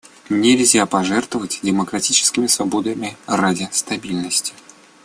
Нельзя пожертвовать демократическими свободами ради стабильности.